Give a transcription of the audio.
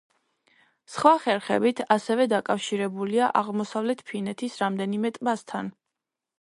სხვა არხებით ასევე დაკავშირებულია აღმოსავლეთ ფინეთის რამდენიმე ტბასთან.